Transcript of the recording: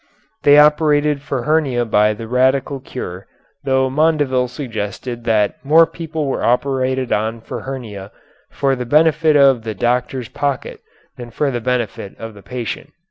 They operated for hernia by the radical cure, though Mondeville suggested that more people were operated on for hernia for the benefit of the doctor's pocket than for the benefit of the patient.